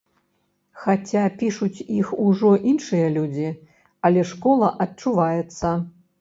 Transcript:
Хаця пішуць іх ужо іншыя людзі, але школа адчуваецца.